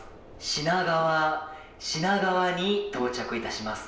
品川、品川に到着いたします。